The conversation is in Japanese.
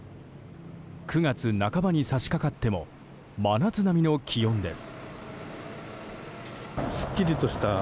９月半ばに差し掛かっても真夏並みの気温です。